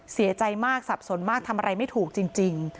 เสียใจมากสับสนมากทำอะไรไม่ถูกจริง